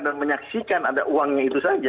dan menyaksikan ada uangnya itu saja